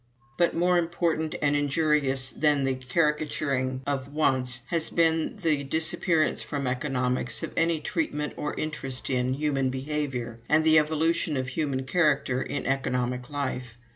"But more important and injurious than the caricaturing of wants has been the disappearance from Economics of any treatment or interest in human behavior and the evolution of human character in Economic life.